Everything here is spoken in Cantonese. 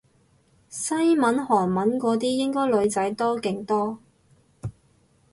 西文韓文嗰啲應該女仔多勁多